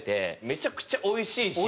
めちゃくちゃおいしいし。